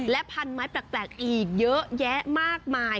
และพันไม้แปลกอีกเยอะแยะมากมาย